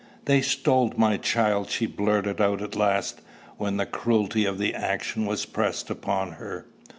"They stole my child," she blurted out at last, when the cruelty of the action was pressed upon her.